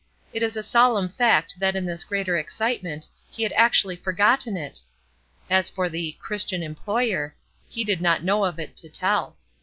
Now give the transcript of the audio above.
It is a solemn fact that in this greater excitement he had actually forgotten it! As for the "Christian employer," he did not know of it to tell.